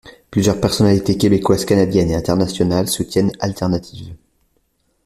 Plusieurs personnalités québécoises, canadiennes et internationales soutiennent Alternatives.